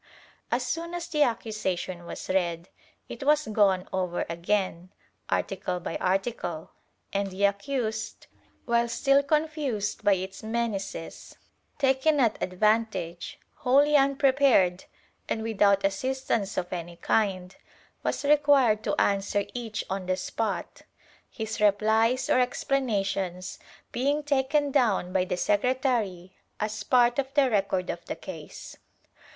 ^ As soon as the accusation was read, it was gone over again, article by article, and the accused, while still confused by its menaces, taken at advantage, wholly unprepared and without assistance of any kind, was required to answer each on the spot, his replies or explanations being taken down by the secretary as part of the record of the case.